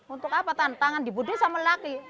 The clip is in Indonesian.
untuk apa tanda tangan diboleh sama lelaki